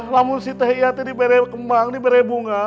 namun si teh iya diberes kemang diberes bunga